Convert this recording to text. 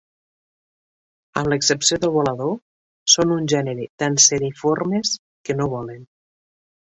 Amb l'excepció del volador, són un gènere d'anseriformes que no volen.